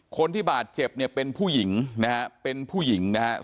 คนที่บาดเจ็บเนี่ยเป็นผู้หญิงนะฮะเป็นผู้หญิงนะครับ